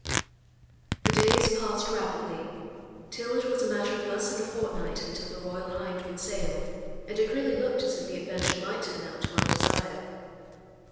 The days passed rapidly, till it was a matter of less than a fortnight until the Royal Hind would sail, and it really looked as if the adventure might turn out to our desire.